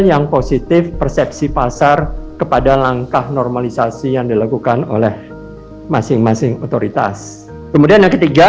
yang positif persepsi pasar kepada langkah normalisasi yang dilakukan oleh masing masing